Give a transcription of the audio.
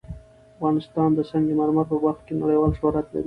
افغانستان د سنگ مرمر په برخه کې نړیوال شهرت لري.